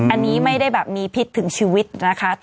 อันนี้ไม่ได้แบบมีพิษถึงชีวิตนะคะ